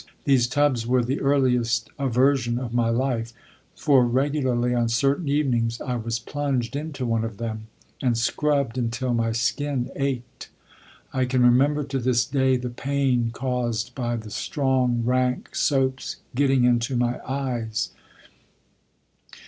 These tubs were the earliest aversion of my life, for regularly on certain evenings I was plunged into one of them and scrubbed until my skin ached. I can remember to this day the pain caused by the strong, rank soap's getting into my eyes.